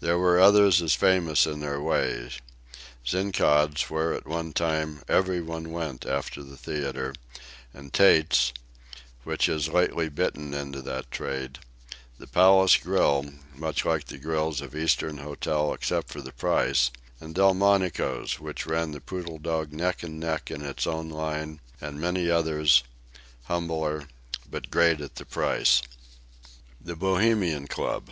There were others as famous in their way Zinkaud's, where, at one time, every one went after the theatre, and Tate's, which has lately bitten into that trade; the Palace Grill, much like the grills of Eastern hotels, except for the price; Delmonico's, which ran the Poodle Dog neck and neck in its own line, and many others, humbler, but great at the price. THE BOHEMIAN CLUB.